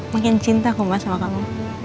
makin cinta aku mas sama kamu